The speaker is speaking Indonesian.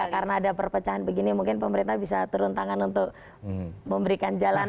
karena ada perpecahan begini mungkin pemerintah bisa turun tangan untuk memberikan jalan